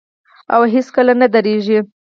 او هیڅکله نه دریږي.